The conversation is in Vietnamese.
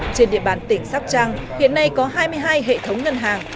trên địa bàn tỉnh sóc trăng hiện nay có hai mươi hai hệ thống ngân hàng